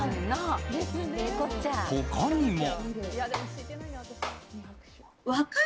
他にも。